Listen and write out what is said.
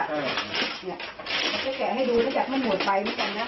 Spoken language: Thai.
จะแกะให้ดูแล้วจากทั้งหมดไป